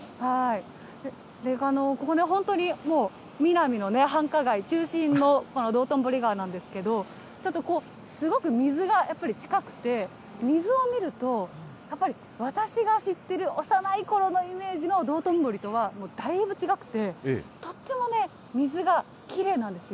ここ、本当にもうミナミの繁華街、中心の道頓堀川なんですが、ちゃんとこう水が近くて、水を見ると、やっぱり私が知ってる幼いころのイメージの道頓堀とはもうだいぶ違くて、とってもね、水がきれいなんですよ。